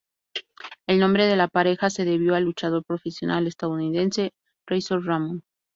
El nombre de la pareja se debió al luchador profesional estadounidense Razor Ramon.